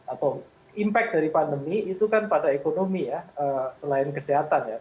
atau impact dari pandemi itu kan pada ekonomi ya selain kesehatan ya